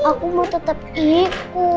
aku mau tetap ikut